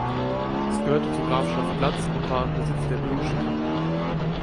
Es gehörte zur Grafschaft Glatz und war im Besitz der böhmischen Kammer.